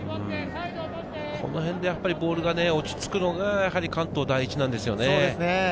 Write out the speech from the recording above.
この辺でボールが落ち着くのが関東第一なんですよね。